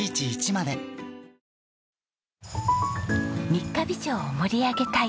三ヶ日町を盛り上げたい。